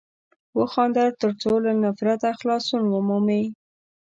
وخانده تر څو له نفرته خلاصون ومومې!